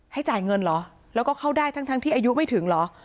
จ่ายเงินเหรอแล้วก็เข้าได้ทั้งที่อายุไม่ถึงเหรอ